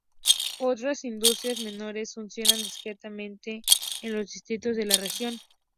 Otras industrias menores funcionan discretamente en los distritos de la región.